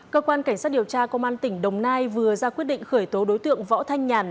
cơ quan cảnh sát điều tra công an tỉnh đồng nai vừa ra quyết định khởi tố đối tượng võ thanh nhàn